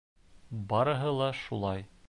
Барыһы ла шулай!